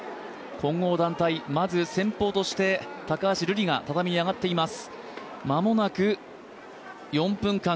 混合団体、まず先ぽうとして高橋瑠璃が畳に上がっています。